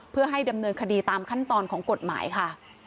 เพื่อให้ดำเนินคดีตามขั้นตอนของกฎหมายค่ะ